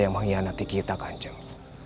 yang mengkhianati kita kanjeng